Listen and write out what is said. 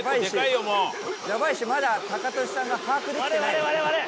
ヤバいしまだタカトシさんが把握できてない。